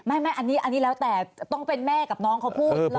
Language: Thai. ไม่อันนี้แล้วแต่ต้องเป็นแม่กับน้องเขาพูด